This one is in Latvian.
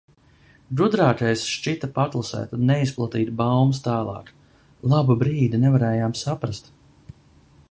Gudrākais šķita paklusēt un neizplatīt baumas tālāk. Labu brīdi nevarējām saprast.